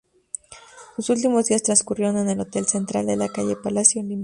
Sus últimos días transcurrieron en el Hotel Central, de la calle Palacio, en Lima.